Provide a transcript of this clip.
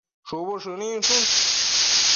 shubu shëninshun